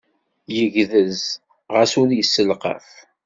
Yegdez xas ur yesselqaf.